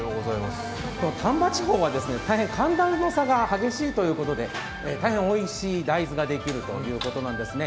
丹波地方は大変、寒暖の差が激しいということで大変おいしい大豆ができるということなんですね。